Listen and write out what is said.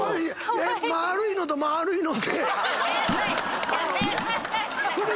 丸いのと丸いので。